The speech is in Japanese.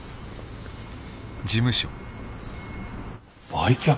売却？